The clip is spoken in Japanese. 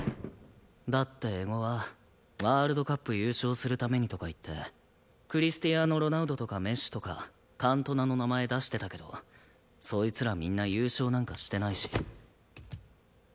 だって絵心はワールドカップ優勝するためにとか言ってクリスティアーノ・ロナウドとかメッシとかカントナの名前出してたけどそいつらみんな優勝なんかしてないし。